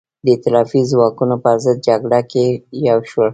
د ایتلافي ځواکونو پر ضد جګړه کې یو شول.